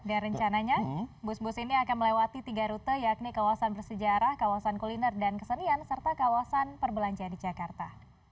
dan rencananya bus bus ini akan melewati tiga rute yakni kawasan bersejarah kawasan kuliner dan kesenian serta kawasan perbelanjaan di jakarta